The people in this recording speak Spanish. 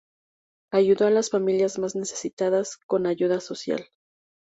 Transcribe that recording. Ayudó a las familias más necesitadas con ayuda social.